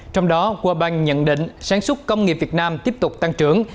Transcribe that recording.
trong đó world bank nhận định sản xuất công nghiệp việt nam tiếp tục tăng trưởng